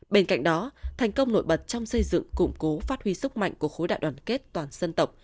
bên cạnh đó thành công nổi bật trong xây dựng củng cố phát huy sức mạnh của khối đại đoàn kết toàn dân tộc